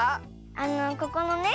あのここのね